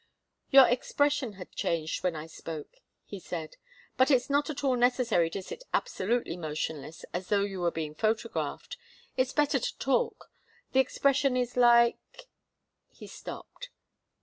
"Your expression had changed when I spoke," he said. "But it's not at all necessary to sit absolutely motionless as though you were being photographed. It's better to talk. The expression is like " He stopped.